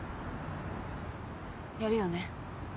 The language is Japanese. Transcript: やるよね？